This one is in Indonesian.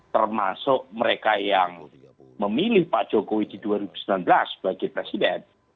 termasuk mereka yang memilih pak jokowi di dua ribu sembilan belas sebagai presiden